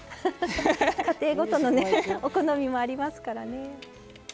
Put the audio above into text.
家庭ごとのねお好みもありますからね。